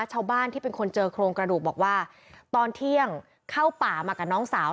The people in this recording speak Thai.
ชาวบ้านที่เป็นคนเจอโครงกระดูกบอกว่าตอนเที่ยงเข้าป่ามากับน้องสาว